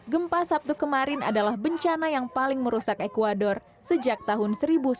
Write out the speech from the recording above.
gempa sabtu kemarin adalah bencana yang paling merusak ecuador sejak tahun seribu sembilan ratus sembilan puluh